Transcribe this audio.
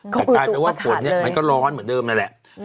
แต่กลายเป็นว่าฝนเนี่ยมันก็ร้อนเหมือนเดิมนั่นแหละ